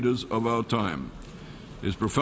คุณพระเจ้า